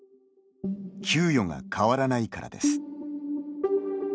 給与が変わらないからです。